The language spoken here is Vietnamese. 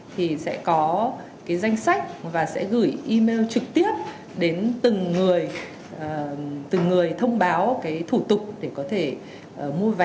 thì sẽ có cái danh sách và sẽ gửi email trực tiếp đến từng người từng người thông báo cái thủ tục để có thể mua vé